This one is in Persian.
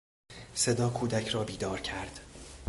صدا کودک را بیدار کرد.